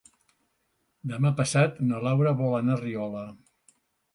Demà passat na Laura vol anar a Riola.